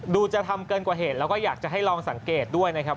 จะทำเกินกว่าเหตุแล้วก็อยากจะให้ลองสังเกตด้วยนะครับ